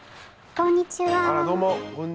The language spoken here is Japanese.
こんにちは。